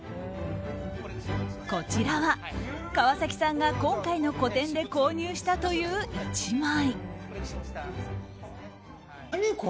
こちらは川崎さんが今回の個展で購入したという１枚。